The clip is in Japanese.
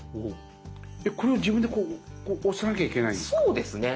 これを自分で押さなきゃいけないんですか？